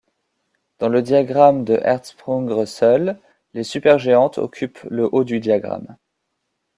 Dans le diagramme de Hertzsprung-Russell, les supergéantes occupent le haut du diagramme.